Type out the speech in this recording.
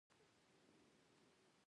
هلته پنځه سوه صنعتي موسسې موجودې وې